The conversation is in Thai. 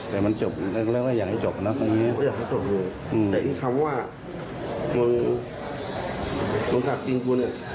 แต่ว่าตำรวจก็สั่งปรับพ่อของเด็กวัยสิบขวบ